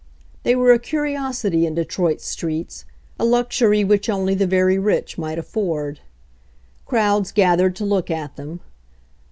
They were a curiosity in Detroit's streets, a luxury which only the very rich might afford. Crowds gathered to look at them.